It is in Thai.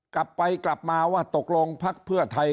กลับไปกลับมาว่าตกลงพักเพื่อไทย